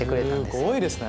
すごいですね。